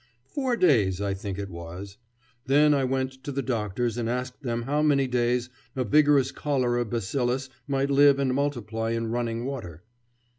Four days, I think it was. Then I went to the doctors and asked them how many days a vigorous cholera bacillus might live and multiply in running water.